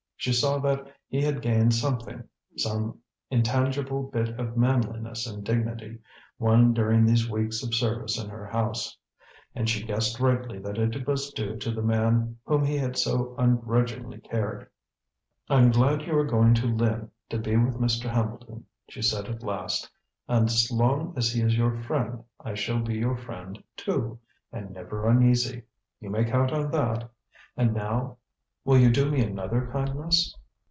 She saw that he had gained something, some intangible bit of manliness and dignity, won during these weeks of service in her house. And she guessed rightly that it was due to the man whom he had so ungrudgingly nursed. "I'm glad you are going to Lynn, to be with Mr. Hambleton," she said at last. "As long as he is your friend, I shall be your friend, too, and never uneasy. You may count on that. And now will you do me another kindness?"